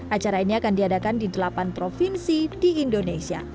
acara ini akan diadakan di delapan provinsi di indonesia